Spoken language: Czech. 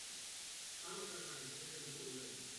Je nadmíru normativní a postrádá flexibilitu.